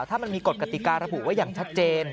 ถ้ามันมีกฎกติการุไว้อย่างชัดเจน